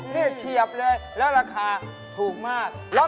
นี่เฉียบเลยแล้วราคาถูกมาก